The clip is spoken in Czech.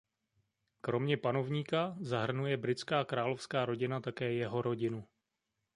Kromě panovníka zahrnuje britská královská rodina také jeho rodinu.